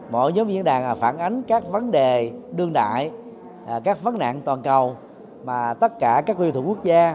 mỗi nhóm diễn đàn phản ánh các vấn đề đương đại các vấn nạn toàn cầu mà tất cả các quyền thủ quốc gia